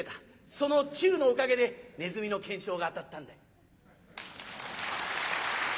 その忠のおかげでネズミの懸賞が当たったんだ」。